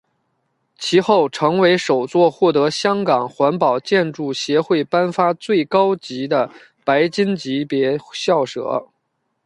其后成为首座获得香港环保建筑协会颁发最高级的白金级别校舍。